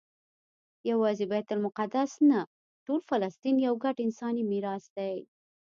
یوازې بیت المقدس نه ټول فلسطین یو ګډ انساني میراث دی.